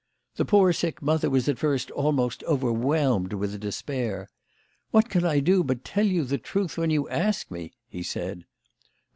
The poor sick mother was at first almost overwhelmed with despair. " What can I do but tell you the truth when you ask me ?" he said.